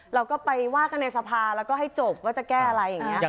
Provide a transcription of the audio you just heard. เราก็ไปว่ากันในสภาแล้วก็ให้จบว่าจะแก้อะไรอย่างนี้